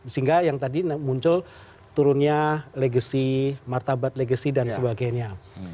sehingga yang tadi muncul turunnya legacy martabat legacy dan sebagainya